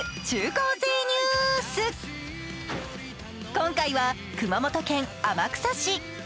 今回は熊本県天草市。